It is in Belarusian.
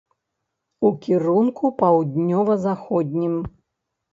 У кірунку паўднёва заходнім.